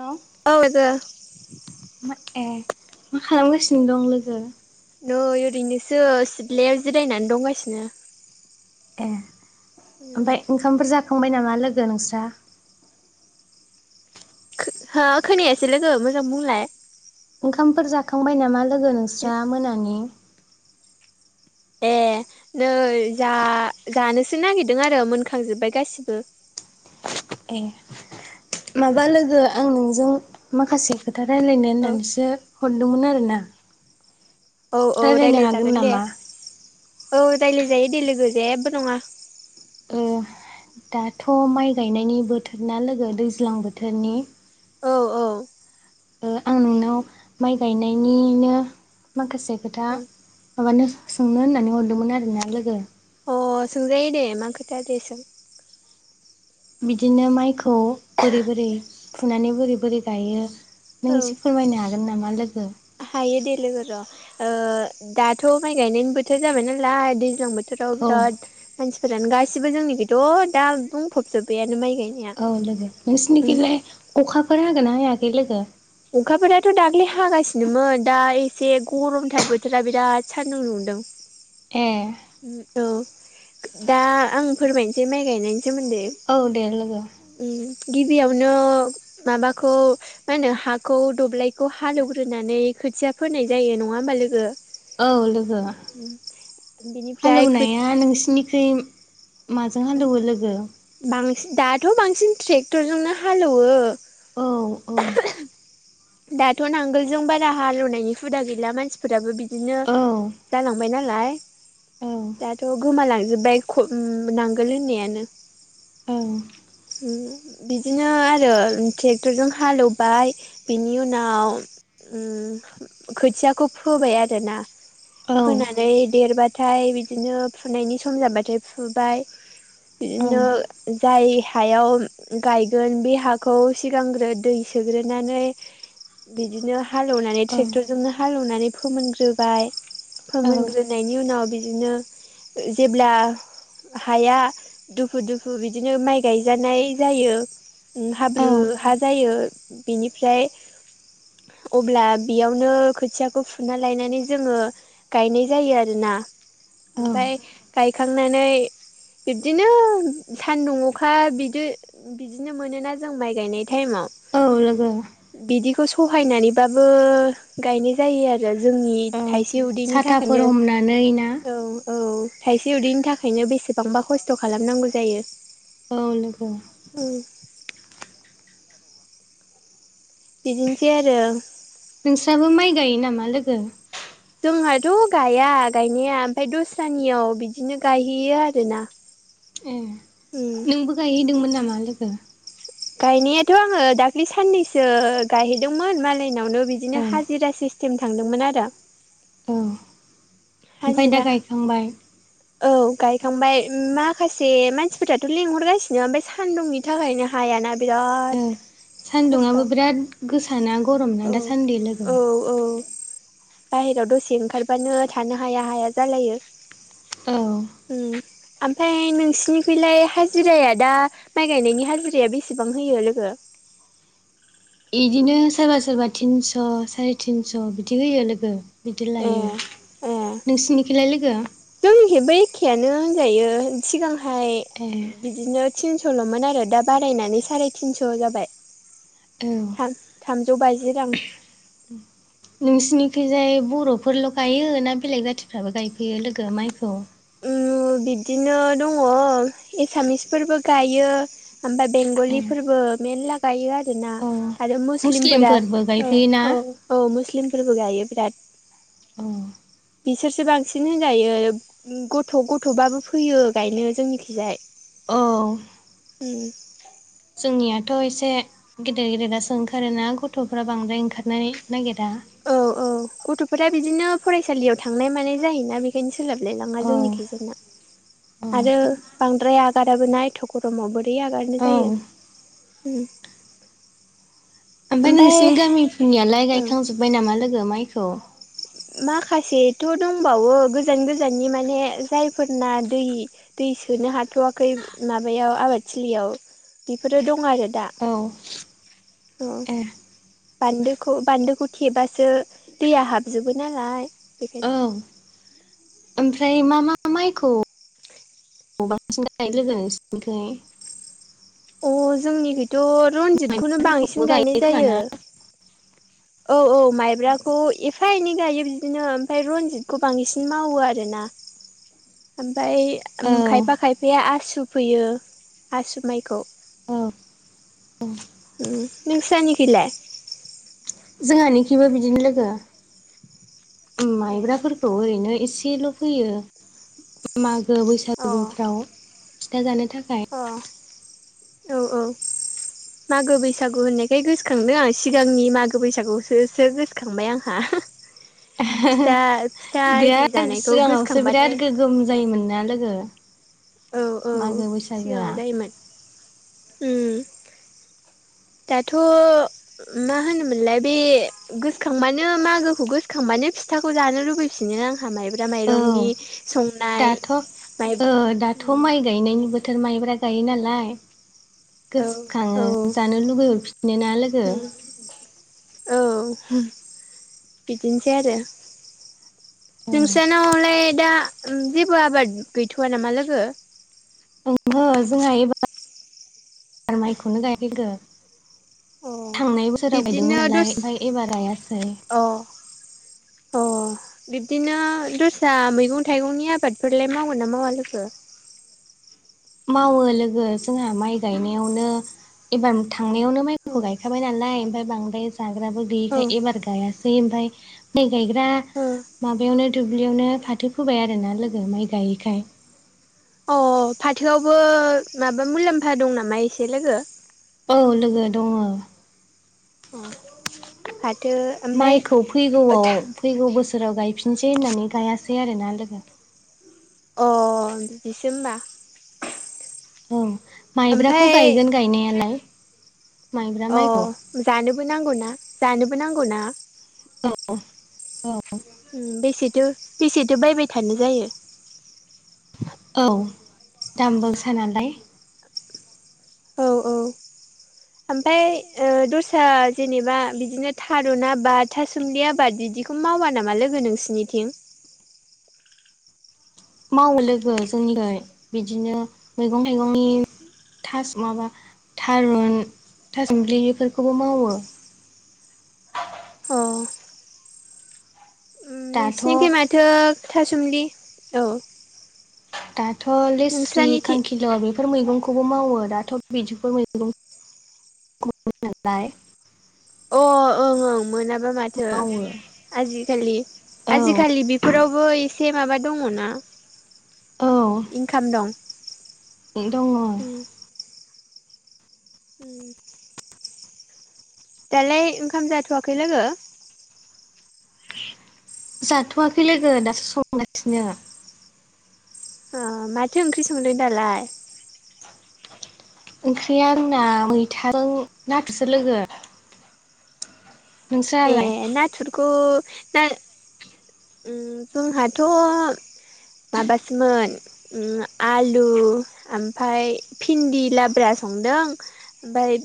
Hello औ आरो [unintelligible] ए मा खालामगासिनो दं लोगो नै ओरैनोसो सिथ्लायाव जिरायनानै दंगासिनो ए ओमफाय ओंखामफोर जाखांबाय नामा लोगो नोंस्रा? हो खोनायासै लोगो मोजां बुंलाय ओंखामफोर जाखांबाय नामा लोगो नोंस्रा मोनानि? ए नै जा जानोसो नागिरदों आरो मोनखांजोब्बाय गासिबो ए माबा लोगो आं नोंजों माखासे खो था रायलायनो औ होननानैसो हरदोंमोन आरोना औ औ रायलायनो रायज्लाय हागोन जागोन दे नामा? औ रायलाय जायो दे लोगो जेबो नङा ओ दाथ' माइ गायनायनि बोथोर ना लोगो दैज्लां बोथोरनि औ औ उम आं नोंनाव माइ गायनायनिनो माखासे खोथा माबानो सोंनो होननानै हरदोंमोन आरोना लोगो औ अ सोंजायो दे मा खोथा दे सों बिदिनो माइखौ बोरै बोरै फुनानै बोरै बोरै गायो औ नों एसे फोरमायनो हागोन नामा लोगो हायो दे लोगो र' ओ दाथ' माइ गायनायनि बोथोर जाबाय नालाय दैज्लां बो थोराव औ बिराद मानसिफोरानो गासिबो जोंनिखैथ' दा बुंफबजोब्बायानो माइ गायनाया औ लोगो उम नोंसिनिखैजाय अखाफोर हागोन ना हायाखै लोगो? अखाफोराथ' दाख्लै हागासिनोमोन दा एसे गरमथार बोथोरा बिराद सान्दुं दुंदों ए औ दा आं फोरमायनोसै माइ गायनायनि सोमोन्दै औ दे लोगो गिबियावनो माबाखौ मा होनो हा खौ दब्लायखौ हालौवग्रोनानै खोथिया फोनाय जायो नङा होमबा लोगो औ लोगो बिनिफ्राय हालौनाया नोंसिनिखै माजों औ हालौवो लोगो बांसिन दाथ' बांसिन ट्रेक्टरजोंनो हालौवो औ औ दाथ' नांगोलजों बारा हालेवनायनि हुदा गैला मानसिफोराबो बिदिनो औ जालांबायना लाय औ दाथ' गोमालांजोबबाय नांगोल होननायानो औ बिदिनो आरो ट्रेक्टरजों हालेवबाय बिनि उनाव खोथियाखौ फोबाय आरोना औ फोनानै देरबाथाय बिदिनो फुनायनि सम जाबाथाय फुबाय औ बिदिनो जाय हायाव गायगोन बे हाखौ सिगांग्रो दै सोग्रोनानै बिदिनो हालेवनानै ट्रेक्टरजोंनो हालेवनानै फोमोनग्रोबाय फोमोनग्रोनायनि उनाव बिदिनो जेब्ला हाया दुफु दुफु बिदिनो माइ गायजानाय जायो औ हाब्रु हा जायो बेनिफ्राय [inaudible] अब्ला बेयावनो खोथियाखौ फुना लायनानै जोङो गायनाय जायो आरोना ओमफफ्राय गायखांनानै बिब्दिनो सानदु अखा बिदि बिदिनो मोनोना जों माइ गायनाय टाइमाव औ लोगो बिदिखौ सहायनानैबाबो गायनाय जायो आरो जोंनि औ थाइसे उदैनि साथाफोर थाखायनो हमनानै ना औ औ थाइसे उदैनि थाखायनो बेसेबांबा खस्थ' खालामनांगौ जायो औ लोगो औ बिदिनोसै आरो नोंस्राबो माइ गायो नामा लोगो जोंहाथ' गाया गायनाया ओमफ्राय दस्रानियाव बिदिनो गायहैयो आरोना ए उम नोंबो गायहैदोंमोन नामा लोगो गायनायाथ' आङो दाख्लि साननैसो गायहैदोंमोन मालायनावनो औ बिदिनो हाजिरा सि टिम थांदोंमोन आरो औ ओमफ्राय दा हाजिरा गायखांबाय औ गायखांबाय माखासे मानसिफोराथ' लिंहरगासिनो ओमफ्राय सान्दुंनि थाखायनो हाया बिराद खस्थ' सान्दुंआबो बिराद गोसाना गरम ना दासान्दि लोगो बायेरायाव दसे ओंखारबानो थानो हाया हाया जालायो औ ओमफ्राय नोंसिनिखैलाय हाजिराया दा माइ गायनायनि हाजिराया बेसेबां हो लोगो बिदिनो सोरबा सोरबा तिनस' साराय तिनस' बिदि होयो लोगो बिदि ए लायो नोंसिनिखौलाय लोगो बिदि होनजायो सिगांहाय ए बिदिनो तिनस' ल मोन आरो दा बारायनानै साराय थिनस' जाबाय औ थामजौ बाजि रां खैजाय बर'फोरल' गायो ना बेलेग जाथिफ्राबो गायफैयो लोगो माइखौ बिदिनो दङ एसामिसफोरबो गायो ओमफ्राय ए बेंगलिफोरबो मेनला गायो आरोना अ आरो मुस्लिमफोरा मुस्लिमफोरबो औ गायफैयोना औ औ मुस्लिमफोरबो गायो बिराद औ बिसोरसो बांसिन होनजायो गथ' गथ'बाबो फैयो गायनो जोंनिखिजाय औ उम जोंनियाथ' एसे गेदेर गेदेरासो ओंखारोना गथ'फोरारा बांद्राय ओंखारनो नागिरा औ औ गथ'फोरा बिदिनो फरायसालियाव थांनाय मानाय जायोना बेखायनो स सोलाबलायलाङा औ जोंनि खै औ आरो बांद्राय आगाराबो ना एथ' गरमाव बोरै आगारनो औ जायो उ ओमफ्राय नोंसिनि गामिफोरनियालाय ओं गायखांजोबबाय नामा लोगो माइखौ माखासेथ' दंबावो गोजान गोजाननि माने जायफोरना दै दै सोनो हाथ'वाखै माबायाव आबादथिलियाव बेफोरो दं आरो दा [inaudible] अ ए बान्दोखौ बान्दोखौ थेबासो दैया हाब जोबो नालाय औ बेखायनो ओमफ्राय मा मा माइखौ बांसिन गायनाय [unintelligible] नोंसिनिथिं अ जोंनिथिथ' रन्जितखौनो माइब्राफोरखौबो बांसिन गायो गायनाय खोमा जायो ना औ औ माइब्राखौ एफा एनै गायो बिदिनो ओमफ्राय रनजितखौ बांसिन मावो आरोना ओमफ्राय औ खायफा खायफाया आसु फैयो आसु माइखौ औ ओ नोंसानिथिलाय जोंहानिथिबो बिदिनो लोगो ए माइब्राफोरखौ ओरैनो एसे एसेल' फोयो मागो अ बैसागुफ्राव फिथा जानो थाखाय अ औ औ मागो बैसागु होननायखाय गोसोखांदों आं सिगांनि मागो बैसागुखौसो गोसोखांबाय आंहा ए फिथा फिथा आरि बिराद जानायखौ सिगाङावसो गोसोखांबाथाय बिराद गोगोम जायोमोन ना लोगो औ औ मागो बैसागोआ सिगाङाव जायोमोन ओ दाथ' मा होनोमोनलाय बे गोसोखांबानो मागोखौ गोसोखांबानो नो फिथाखौ जानो लुबैफिनो आंहा माइब्रा औ माइरंनि संनाय दाथ' माइ दाथ' माइ गायनायनि बोथोर माइब्रा गायो नालाय औ गोसोखाङो औ जानो लुबैहरफिनो ना लोगो औ बिदिनोसै आरो औ नोंसानावलाय दा जेबो आबाद गैथ'वा नामा लोगो ओंहो जोंहा एबार [unintelligible] माइखौनो गाया लोगो अ थांनाय बोसोराव बिब्दिनो गायदोंमोन नालाय दस ओमफ्राय एबार गायासै अ अ बिब्दिनो दस्रा मैगं थाइगंनि आबादफोरलाय मावोना मावा लोगो मावो लोगो जोंहा माइ गायनायावनो एबार थांनायावनो माइखौ औ गायखाबाय नालाय ओमफ्राय बांद्राय जाग्राबो गैयिखाय एबार गायासै ओमफ्राय माइ गायग्रा औ माबायावनो दुब्लियावनो फाथो फोबाय आरोना लोगो माइ गायैखाय अ फाथोआवबो माबा मुलाम्फा दं नामा एसे लोगो औ लोगो दङ अ फाथो ओमफ्राय माइखौ अ फैगौआव फैगौ बोसोर बोसोराव गायफिनसै होननानै गायासै आरोना लोगो अ बिदिसो होमबा औ ओमफ्राय माइब्राखौ गायगोन गायनायालाय माइब्रा अ माइखौ जानोबो नांगौ ना जानोबो नांगौ ना औ औ बेसेथो बेसेथो बायबाय थानो जायो औ दामगोसा नालाय औ औ ओमफ्राय दस्रा जेनेबा बिदिनो थारुन आबाद थासुमलि आबाद बिदि बिदिखौ मावा नामा लोगो नोंसिनिथिं [inaudible] मावो लोगो जोंनिफ्राय बिदिनो मैगं थाइगंनि थास माबा थारुन थासमलि बेफोरखौबो मावो औ दाथ' नोंसोरनिखै माथो थासुमदलि औ दाथ लेस्रि नोंस्रानिथि खांखिल बेफोर मैगंखौबो मावो दाथ बिदिफोर मैगं नालाय अ ओं ओं मोनाब मा माथो मावो औ आजिखालि बेफोरावबो एसे माबा दङना औ इनखाम दं दङ उम दालाय ओंखाम जाथवाखै लोगो जाथवाखै लोगो दासो संगासिनो अ माथो ओंख्रि संदों दालाय ओंख्रिया आंना मैथाजों नाथुरसो लोगो ए नोंस्रालाय नाथुरखौ ना जोंहाथ माबासोमोन आलु ओमफ्राय भिन्दि लाब्रा संदों ओमफ्राय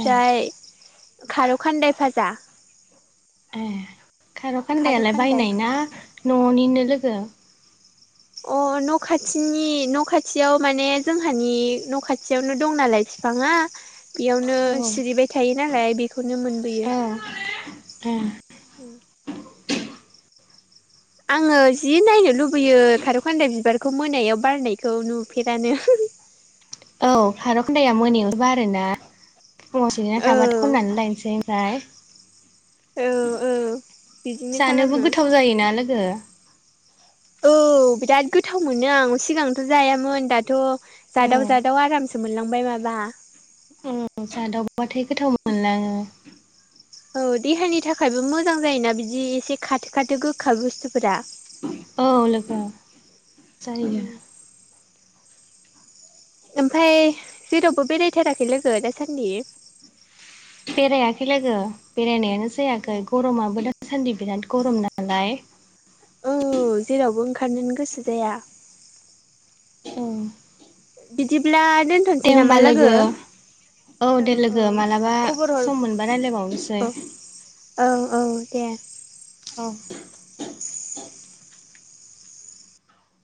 ए खारौ खान्दाय फाजा ए खारौ खारखान्दायालाय खान्दाय बायनाय ना न'निनो लोगो अ न' खाथिनि न' खाथियाव माने जोंहानि न' खाथियावनो दं नालाय बिफाङा बेयावनो औ सिरिबाय थायो नालाय बेखौनो मोनबोयो ए आङो जि नायनो लुबैयो खारौखान्दा बिबारखौ मोनायाव बारनायखौ नुफेरानो [inaudible] औ खारखान्दाया मोनायावहोबा आरोना फुङाव सोना औ थाबाथ खननानै लायनोसै औ ए औ बिदिनो जानोबो खालामो गोथाव जायोना लोगो औ बिराद गोथाव मोनो आं सिगांथ जायामोन दाथ जादाव ओं जादाव आरामसो मोनलांबाय माबा जादावबाथाय गोथाव मोनलाङो औ देहानि थाखायबो मोजां जायोना बिदि एसे खाथो खाथो गोखा बुस्थु औ लोगो जायो उम ओमफाय जेरावबो बेरायथाराखै लोगो दासान्दि बेरायाखै लोगो बेरायनायानो जायाखै गरमाबो दा सान्दि बिराद गरम नालाय औ जेरावबो ओंखारनोनो गोसो जाया औ बिदिब्ला दे दोनथसै होमबा नामा लोगो औ दे लोगो मालाबा खबर हर सम मोनबा रायलायबावनोसै औ औ औ दे औ